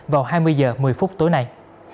vào hai mươi h một mươi phút tối nay